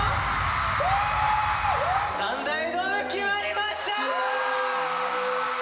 ３大ドーム、決まりましたー！